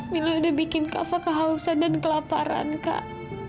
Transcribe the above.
mila udah bikin kak fadil kehausan dan kelaparan kak